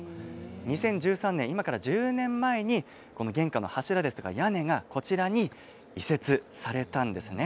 ２０１３年、今から１０年前にこの玄関の柱や屋根がこちらに移設されたんです。